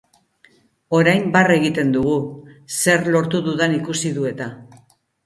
Orain barre egiten dugu, zer lortu dudan ikusi du eta.